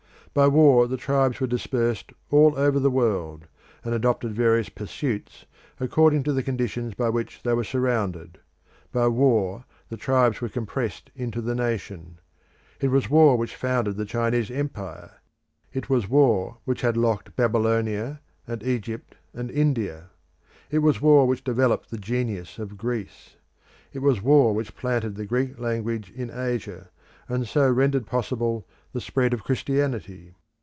By war the tribes were dispersed all over the world, and adopted various pursuits according to the conditions by which they were surrounded. By war the tribes were compressed into the nation. It was war which founded the Chinese Empire. It was war which had locked Babylonia, and Egypt, and India. It was war which developed the genius of Greece. It was war which planted the Greek language in Asia, and so rendered possible the spread of Christianity.